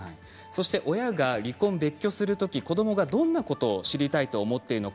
親が離婚、別居する時子どもがどんなことを知りたいと思っているのか